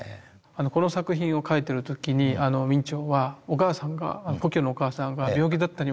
この作品を描いてる時に明兆はお母さんが故郷のお母さんが病気だったにもかかわらず。